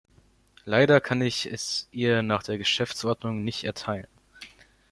Leider kann ich es ihr nach der Geschäftsordnung nicht erteilen.